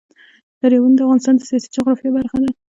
دریابونه د افغانستان د سیاسي جغرافیه برخه ده.